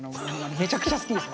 めちゃくちゃ好きです。